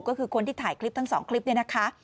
ก็คือคนที่ถ่ายคลิปทั้งสองคลิปนี้นะคะ